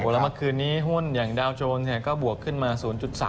แล้วเมื่อคืนนี้หุ้นอย่างดาวโจรก็บวกขึ้นมา๐๓